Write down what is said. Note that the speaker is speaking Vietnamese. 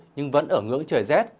nhưng vẫn ở ngưỡng trời rét